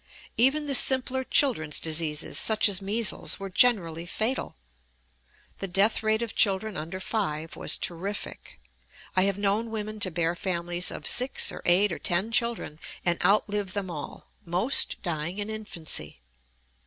Even the simpler children's diseases, such as measles, were generally fatal. The death rate of children under five was terrific. I have known women to bear families of six or eight or ten children, and outlive them all, most dying in infancy.